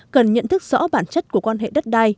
cần nhận thức rõ bản chất của quan hệ đất đai